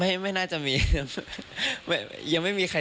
อะผมได้ลองฟื้อกม